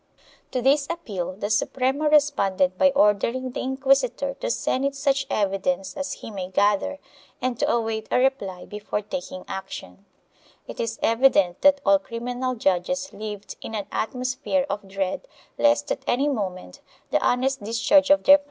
To this appeal the Suprema responded by ordering the inquisitor to send it such evidence as he may gather and to await a reply before taking action.2 It is evident that all criminal judges lived in an atmosphere of dread lest at any moment the honest discharge of their functions 1 Archive de Simancas, Inquisition, Libro 23, fol.